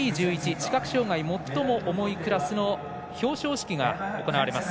視覚障がい最も重いクラスの表彰式が行われます。